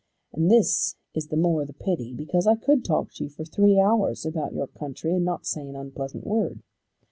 And this is the more the pity because I could talk to you for three hours about your country and not say an unpleasant word.